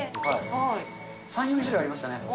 ３、４種類ありましたね。